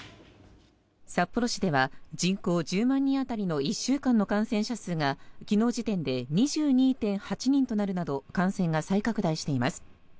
札幌市では人口１０万人当たりの１週間の感染者数が昨日時点で２２．８人となるなど感染が再拡大しています。